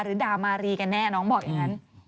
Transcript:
ด่ามารีกันแน่น้องบอกอย่างนั้น